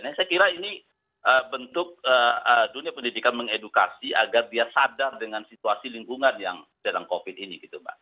nah saya kira ini bentuk dunia pendidikan mengedukasi agar dia sadar dengan situasi lingkungan yang dalam covid ini gitu mbak